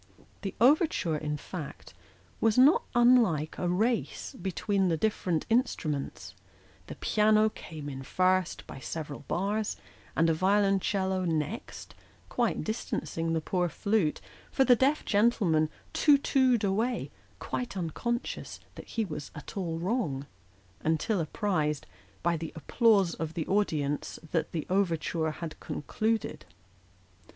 The overture, in fact, was not unlike a race between the different instruments; the piano came in first by several bars, and the violoncello next, quite distancing the poor flute; for the deaf gentleman too too'd away, quite uncon scious that he was at all wrong, until apprised, by the applause of the audience, that the overture was concluded.